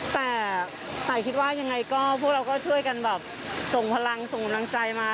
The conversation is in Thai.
แต่ตายคิดว่ายังไงก็พวกเราก็ช่วยกันแบบส่งพลังส่งกำลังใจมา